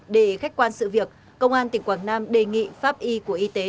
để khách quan sự việc công an tỉnh quảng nam đề nghị pháp y của y tế